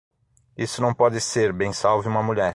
Isso não pode ser, bem salve uma mulher.